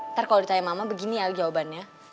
ntar kalau ditanya mama begini ya jawabannya